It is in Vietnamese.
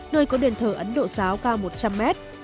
nơi có đền thờ ấn độ giáo cao một trăm linh mét